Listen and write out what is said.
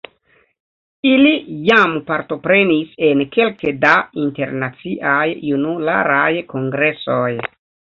Ili jam partoprenis en kelke da Internaciaj Junularaj Kongresoj.